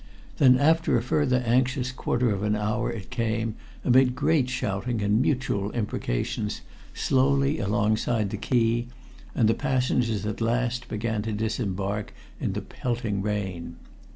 Then after a further anxious quarter of an hour it came, amid great shouting and mutual imprecations, slowly alongside the quay, and the passengers at last began to disembark in the pelting rain.